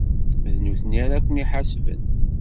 D nutni ara ken-iḥasben.